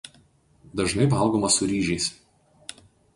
Dažnai valgoma su ryžiais.